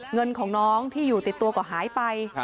เงินของน้องที่อยู่ติดตัวก็หายไป